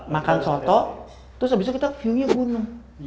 makan soto terus habisnya kita viewnya gunung